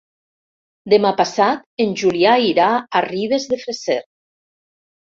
Demà passat en Julià irà a Ribes de Freser.